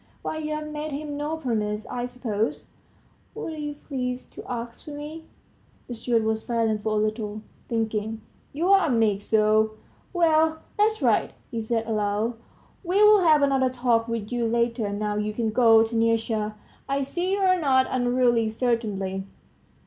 why, you've made him no promise, I suppose ..." "What are you pleased to ask of me?" The steward was silent for a little, thinking, "You're a meek soul! Well, that's right," he said aloud; "we'll have another talk with you later, now you can go, Taniusha; I see you're not unruly, certainly."